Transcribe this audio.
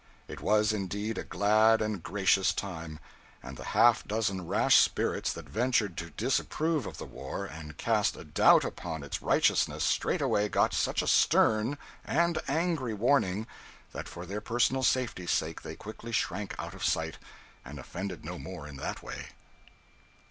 It was indeed a glad and gracious time, and the half dozen rash spirits that ventured to disapprove of the war and cast a doubt upon its righteousness straightway got such a stern and angry warning that for their personal safety's sake they quickly shrank out of sight and offended no more in that way.